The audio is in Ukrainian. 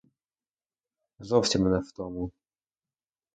Зовсім не в тому!